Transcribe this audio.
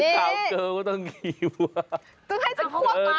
คาวเกิร์ลก็ต้องกินค่ะ